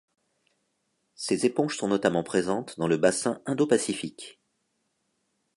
Ces éponges sont notamment présentes dans le bassin Indo-Pacifique.